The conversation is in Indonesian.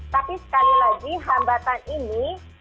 tapi sekali lagi hambatan ini